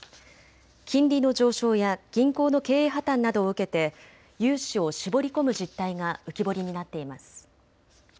金利の上昇や銀行の経営破綻などを受けて融資を絞り込む実態が浮き彫りになっています。